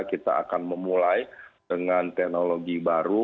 kita akan memulai dengan teknologi baru